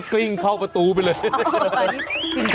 กลิ้งเข้าประตูไปเลย